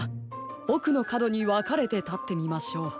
おくのかどにわかれてたってみましょう。